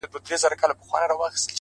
هره هڅه بې پایلې نه وي!.